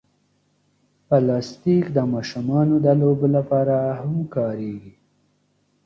پلاستيک د ماشومانو د لوبو لپاره هم کارېږي.